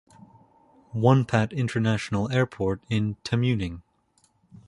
Won Pat International Airport in Tamuning.